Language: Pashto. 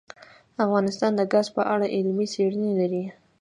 افغانستان د ګاز په اړه علمي څېړنې لري.